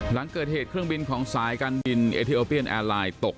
หลังเกิดเหตุเครื่องบินของสายการบินเอทีโอเปียนแอร์ไลน์ตก